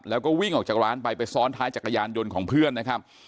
แล้วก็วิ่งออกจากร้านไปไปซ้อนท้ายจักรยานยนต์ของเพื่อนนะครับ